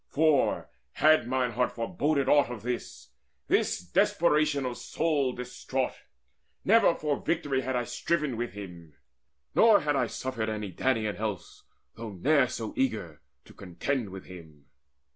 For, had mine heart foreboded aught of this, This desperation of a soul distraught, Never for victory had I striven with him, Nor had I suffered any Danaan else, Though ne'er so eager, to contend with him.